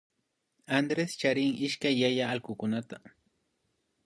Andrés charin ishkay yaya allkukunata